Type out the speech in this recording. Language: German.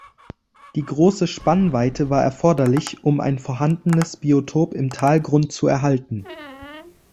Die große Spannweite war erforderlich, um ein vorhandenes Biotop im Talgrund zu erhalten.